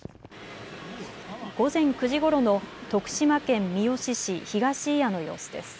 午前９時ごろの徳島県三好市東祖谷の様子です。